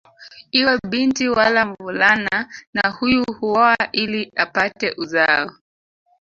Iwe binti wala mvulana na huyu huoa ili apate uzao